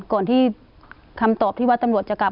ก่อนที่คำตอบที่ว่าตำรวจจะกลับ